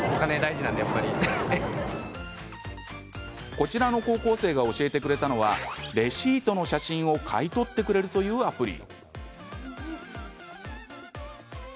こちらの高校生が教えてくれたのはレシートの写真を買い取ってくれるというアプリ。